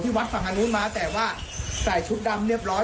วัดฝั่งทางนู้นมาแต่ว่าใส่ชุดดำเรียบร้อย